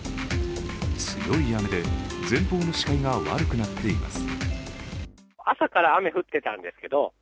強い雨で前方の視界が悪くなっています。